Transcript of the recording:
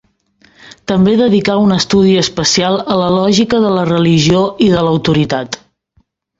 També dedicà un estudi especial a la lògica de la religió i de l'autoritat.